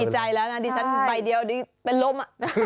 ใจแล้วนะดิฉันใบเดียวเป็นลม